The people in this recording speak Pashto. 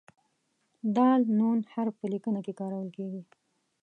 د "ن" حرف په لیکنه کې کارول کیږي.